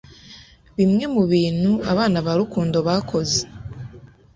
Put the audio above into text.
bimwe mu bintu abana ba Rukundo bakoze